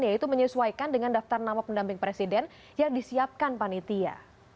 yaitu menyesuaikan dengan daftar nama pendamping presiden yang disiapkan panitia